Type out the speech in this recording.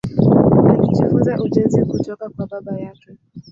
Alijifunza ujenzi kutoka kwa baba yake.